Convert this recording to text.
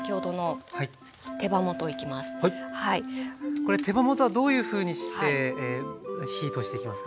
これ手羽元はどういうふうにして火通していきますか？